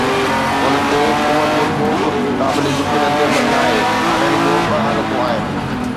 ان تي حڪومت جو ڪو به قابل ذڪر ردعمل ناهي، هاڻي رڳو ٻه حالتون آهن.